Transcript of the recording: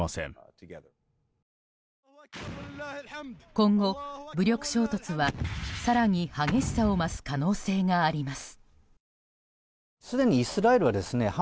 今後、武力衝突は更に激しさを増す可能性があります。